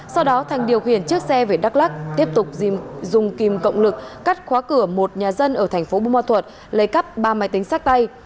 sau đó thành điều khiển chiếc xe về đắk lắc tiếp tục dùng kìm cộng lực cắt khóa cửa một nhà dân ở thành phố bù ma thuật lấy cắp ba máy tính sách tay